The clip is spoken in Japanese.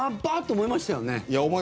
思いましたね。